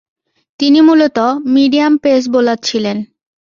তিনি মূলতঃ medium pace bowler ছিলেন।